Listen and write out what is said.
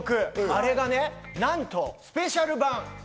あれがね、なんとスペシャル版。